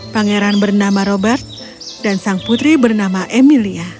pangeran bernama robert dan sang putri bernama emilia